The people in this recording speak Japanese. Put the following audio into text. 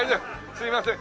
すいません。